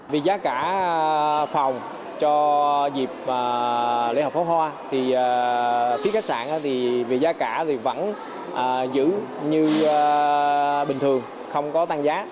vì giá cả phòng cho dịp lễ hộp pháo hoa thì phía khách sạn thì về giá cả thì vẫn giữ như bình thường không có tăng giá